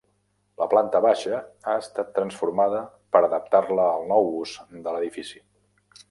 La planta baixa ha estat transformada per adaptar-la al nou ús de l'edifici.